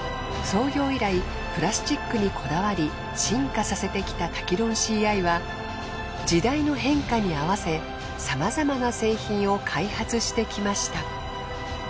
創業以来プラスチックにこだわり進化させてきたタキロンシーアイは時代の変化に合わせさまざまな製品を開発してきました。